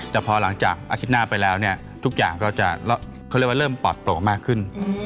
แต่พอหลังจากอาทิตย์หน้าไปแล้วทุกอย่างก็เริ่มปลอดโปรดมากขึ้น